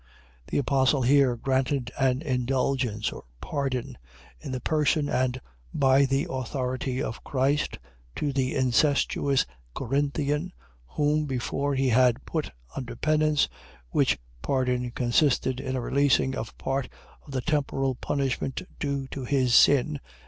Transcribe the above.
. .The apostle here granted an indulgence, or pardon, in the person and by the authority of Christ, to the incestuous Corinthian, whom before he had put under penance, which pardon consisted in a releasing of part of the temporal punishment due to his sin.